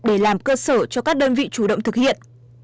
để làm cơ sở cho các đơn vị chủ động thực hiện